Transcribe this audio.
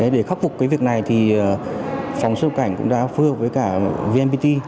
để khắc phục cái việc này thì phòng xuất nhập cảnh cũng đã phương hợp với cả vnpt